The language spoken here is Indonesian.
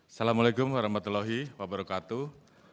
assalamu'alaikum warahmatullahi wabarakatuh